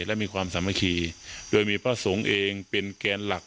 และมีความสามัคคีโดยมีพระสงฆ์เองเป็นแกนหลัก